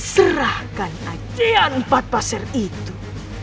serahkan aceh empat pasir itu